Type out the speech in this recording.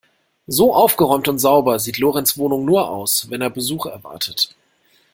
So aufgeräumt und sauber sieht Lorenz Wohnung nur aus, wenn er Besuch erwartet.